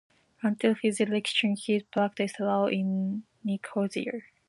Until his election he practised law in Nicosia.